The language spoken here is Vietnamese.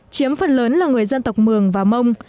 chiếm phần lớn là người dân tộc mường và mông